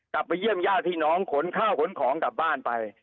กลับไปเยี่ยมญาติพี่น้องขนข้าวขนของกลับบ้านไป